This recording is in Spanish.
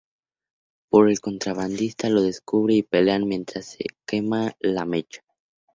Pero el contrabandista lo descubre y pelean mientras se quema la mecha.